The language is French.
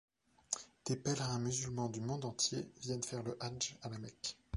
Des pèlerins musulmans du monde entier viennent faire le hadj à La Mecque.